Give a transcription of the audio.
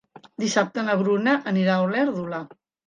Dissabte na Bruna anirà a Olèrdola.